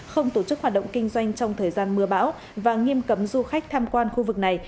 không tổ chức hoạt động kinh doanh trong thời gian mưa bão và nghiêm cấm du khách tham quan khu vực này